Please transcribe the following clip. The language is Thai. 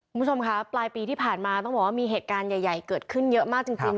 คุณผู้ชมคะปลายปีที่ผ่านมาต้องบอกว่ามีเหตุการณ์ใหญ่เกิดขึ้นเยอะมากจริง